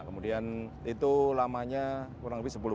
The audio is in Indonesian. kemudian itu lamanya kurang lebih sepuluh menit